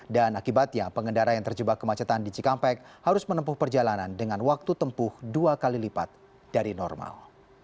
dan akibatnya pengendara yang terjebak kemacetan di cikampek harus menempuh perjalanan dengan waktu tempuh dua kali lipat dari normal